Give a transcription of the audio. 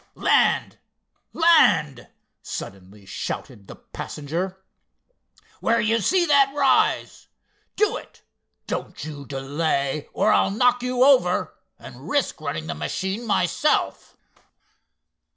"Land—land!" suddenly shouted the passenger. "Where you see that rise. Do it, don't you delay, or I'll knock you over, and risk running the machine myself!"